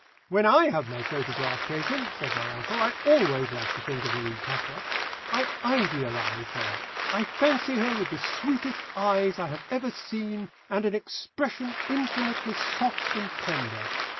"When I have my photograph taken," said my uncle, "I always like to think of the retoucher. I idealise her; I fancy her with the sweetest eyes I have ever seen, and an expression infinitely soft and tender.